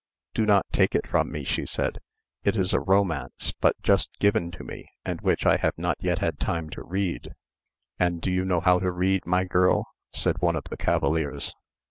"Do not take it from me," she said: "It is a romance but just given to me, and which I have not yet had time to read." "And do you know how to read, my girl?" said one of the cavaliers.